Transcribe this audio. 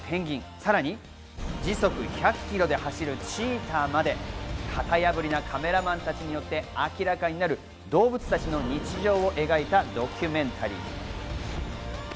さらに時速１００キロで走るチーターまで、型破りなカメラマンたちによって明らかになる動物たちの日常を描いたドキュメンタリー。